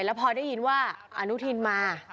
แล้วพอได้ยินว่าอนุทินมา